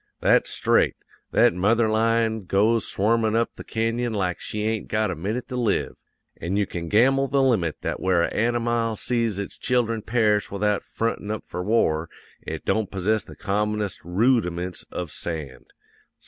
That's straight; that mother lion goes swarmin' up the canyon like she ain't got a minute to live. An' you can gamble the limit that where a anamile sees its children perish without frontin' up for war, it don't possess the commonest roodiments of sand.